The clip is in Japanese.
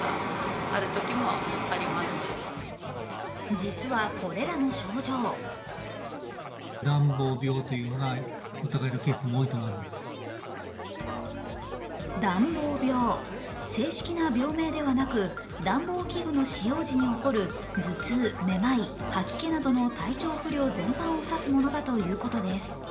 実は、これらの症状暖房病、正式な病名ではなく、暖房器具の使用時に起きる頭痛、めまい、吐き気などの体調不良全般を指すものだということです。